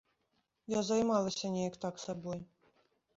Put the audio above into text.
Я займалася неяк так сабой.